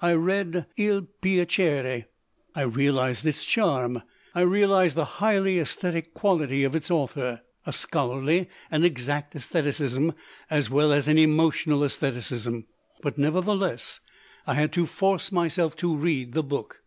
I read II Piacere. I realized its charm, I realized the highly aesthetic quality of its author, a scholarly and exact sestheticism as well as an emotional aestheticism. But, never theless, I had to force myself to read the book.